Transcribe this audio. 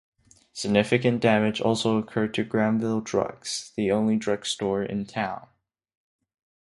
Significant damage also occurred to Granville Drugs, the only drug store in town.